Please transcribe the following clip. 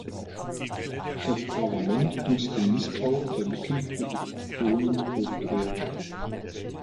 Das Parlament muss den Missbrauch der Mittel für die Fraktionen aufklären.